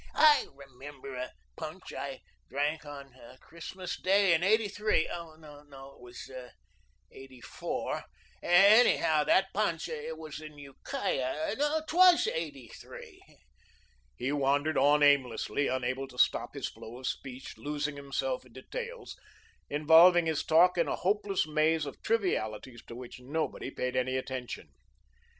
I remember a punch I drank on Christmas day in '83, or no, it was '84 anyhow, that punch it was in Ukiah 'TWAS '83 " He wandered on aimlessly, unable to stop his flow of speech, losing himself in details, involving his talk in a hopeless maze of trivialities to which nobody paid any attention.